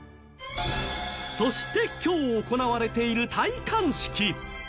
そして、今日行われている戴冠式。